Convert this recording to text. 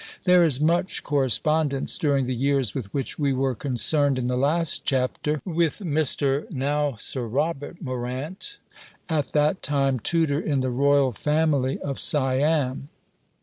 There is much correspondence, during the years with which we were concerned in the last chapter, with Mr. (now Sir Robert) Morant, at that time tutor in the Royal Family of Siam.